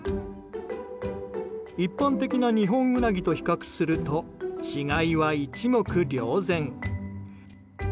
一般的なニホンウナギと比較すると、違いは一目瞭然。